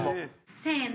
せの。